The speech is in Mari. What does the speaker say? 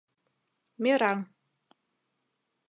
Мераҥ